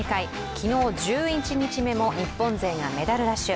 昨日、１１日目も日本勢がメダルラッシュ。